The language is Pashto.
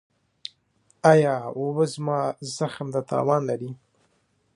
ایا اوبه زما زخم ته تاوان لري؟